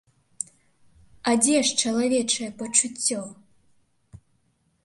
А дзе ж чалавечае пачуццё?